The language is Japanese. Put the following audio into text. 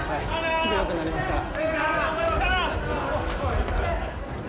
すぐ良くなりますから。